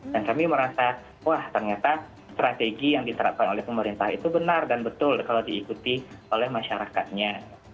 kami merasa wah ternyata strategi yang diterapkan oleh pemerintah itu benar dan betul kalau diikuti oleh masyarakatnya